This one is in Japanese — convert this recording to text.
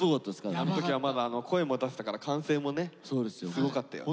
あん時はまだ声も出せたから歓声もねすごかったよね。